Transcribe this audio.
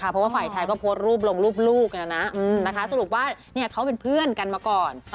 เพราะว่าฝ่ายชายก็โพสต์รูปลงรูปลูกสรุปว่าเขาเป็นเพื่อนกันมาก่อน